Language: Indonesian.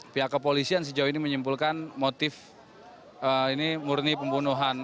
pihak kepolisian sejauh ini menyimpulkan motif ini murni pembunuhan